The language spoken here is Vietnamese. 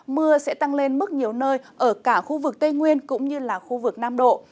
mưa sẽ tăng lên mức nhiều nơi ở cả khu vực tây nguyên cũng như là khu vực nam độ